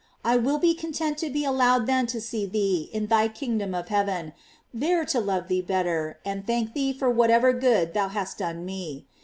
I will be content to be allowed then to see thee in thy kingdom of heaven, there to love thee better, and thank thee for whatever good thou hast done me.